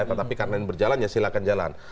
tetapi karena ini berjalan ya silahkan jalan